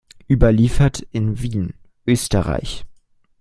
Überliefert in: Wien, Österr.